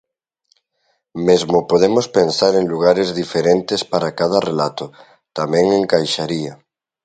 Mesmo podemos pensar en lugares diferentes para cada relato; tamén encaixaría.